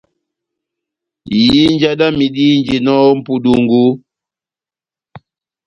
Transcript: Ihinja dámi dihinjinɔ ó mʼpudungu,